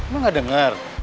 lu nggak denger